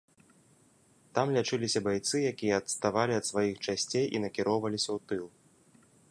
Там лячыліся байцы, якія адставалі ад сваіх часцей і накіроўваліся ў тыл.